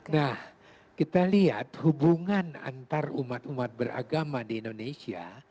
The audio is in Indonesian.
nah kita lihat hubungan antar umat umat beragama di indonesia